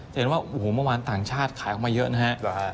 เห็นว่าโอ้โหเมื่อวานต่างชาติขายออกมาเยอะนะฮะ